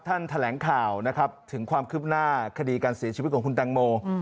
แถลงข่าวนะครับถึงความคืบหน้าคดีการเสียชีวิตของคุณแตงโม